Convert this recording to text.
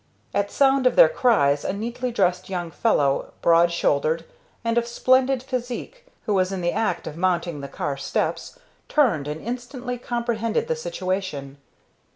At sound of their cries, a neatly dressed young fellow, broad shouldered and of splendid physique, who was in the act of mounting the car steps, turned, and instantly comprehended the situation.